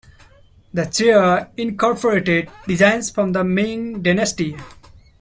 The chair incorporated designs from the Ming dynasty.